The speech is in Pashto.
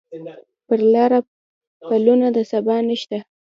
پر لاره پلونه د سبا نشته